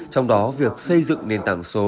trong đó việc xây dựng nền tảng số